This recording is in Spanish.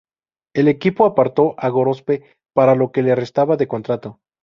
El equipo apartó a Gorospe para lo que le restaba de contrato.